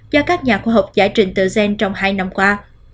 do các nhà khoa học giải trình tự gen trong hai năm qua